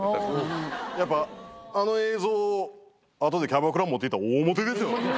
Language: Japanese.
やっぱあの映像を後でキャバクラ持っていったら。